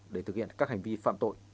để thực hiện các hành vi phạm tội